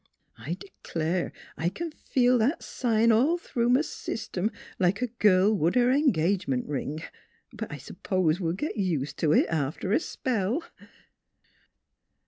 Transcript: I d'clare I c'n feel that sign all through m' system, like a girl would her en gagement ring. But I s'pose we'll git ust t' it, after a spell."